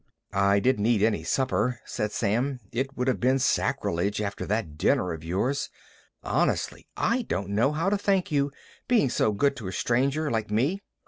"I didn't eat any supper," said Sam. "It would have been sacrilege, after that dinner of yours. Honestly, I don't know how to thank you, being so good to a stranger like me.